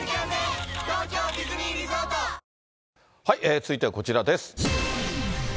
続いてはこちらです。